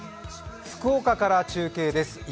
福岡から中継です。